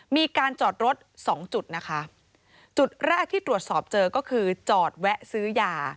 มีการจอดรถสองจุดนะคะจุดแรกที่ตรวจสอบเจอก็คือจอดแวะซื้อยา